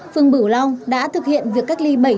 phương bửu long đã thực hiện việc cách ly bảy